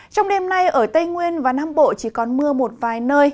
trong đêm nay ở tây nguyên và nam bộ chỉ còn mưa một vài nơi